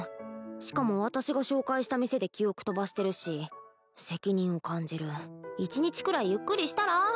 しかも私が紹介した店で記憶飛ばしてるし責任を感じる１日くらいゆっくりしたら？